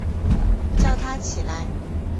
叫他起来